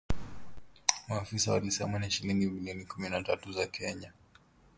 Maafisa walisema ni shilingi bilioni kumi na tatu za Kenya